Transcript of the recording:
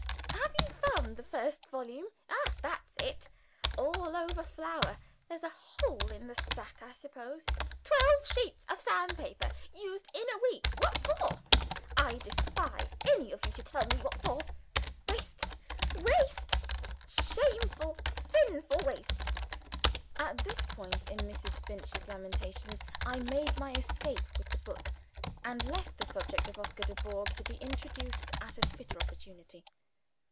Have you found the first volume? Ah, that's it. All over flour! there's a hole in the sack I suppose. Twelve sheets of sandpaper used in a week! What for? I defy any of you to tell me what for. Waste! waste! shameful sinful waste!" At this point in Mrs. Finch's lamentations, I made my escape with the book, and left the subject of Oscar Dubourg to be introduced at a fitter opportunity.